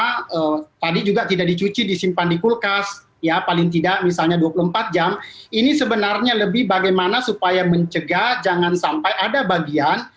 karena tadi juga tidak dicuci disimpan di kulkas ya paling tidak misalnya dua puluh empat jam ini sebenarnya lebih bagaimana supaya mencegah jangan sampai ada bagian